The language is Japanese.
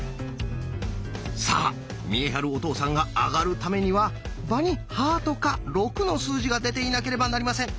さあ見栄晴お父さんがあがるためには場にハートか「６」の数字が出ていなければなりません。